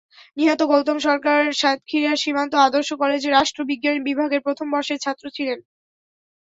নিহত গৌতম সরকার সাতক্ষীরা সীমান্ত আদর্শ কলেজের রাষ্ট্রবিজ্ঞান বিভাগের প্রথম বর্ষের ছাত্র ছিলেন।